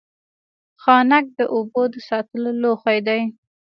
ښانک د اوبو د ساتلو لوښی دی